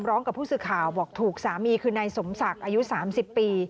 กับผู้สื่อข่าวบอกถูกสามีคือนายสมศักดิ์อายุ๓๐ปี